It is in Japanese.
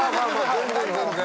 全然全然。